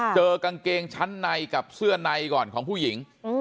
เจอกางเกงชั้นในกับเสื้อในก่อนของผู้หญิง